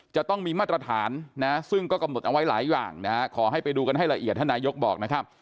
จะต้องมีมาตรฐานนะซึ่งก็กำหนดเอาไว้หลายอย่างนะฮะขอให้ไปดูกันให้ละเอียดท่านนายกบอกนะครับ